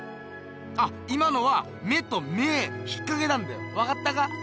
あっ今のは目と芽引っかけたんだよわかったか？